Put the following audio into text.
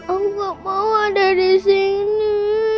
aku gak mau ada disini